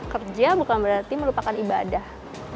kerja bukan berarti melupakan ibadah